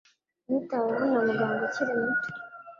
Yitaweho na muganga ukiri muto.